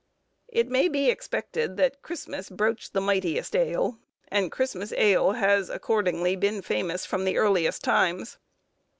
It maybe expected that "Christmas broached the mightiest ale," and Christmas ale has, accordingly, been famous from the earliest times.